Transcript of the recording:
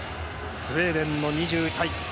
スウェーデンの２１歳。